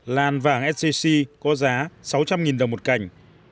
lan vàng sgc có giá sáu trăm linh đồng một cành